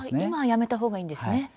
今はやめたほうがいいんですね。